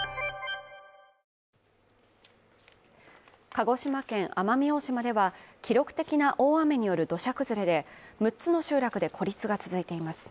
鹿児島県奄美大島では記録的な大雨による土砂崩れで６つの集落で孤立が続いています。